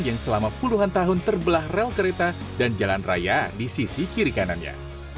yang selama puluhan tahun terbelah rel kereta dan jalan raya di sisi kiri kanannya